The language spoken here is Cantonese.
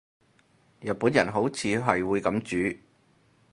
日本人好似係會噉煮